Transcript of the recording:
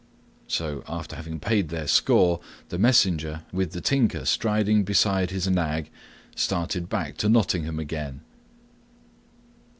So, after having paid their score, the messenger, with the Tinker striding beside his nag, started back to Nottingham again.